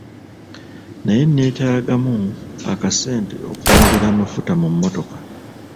Naye neetagamu akassente okwongera amafuta mu mmotoka.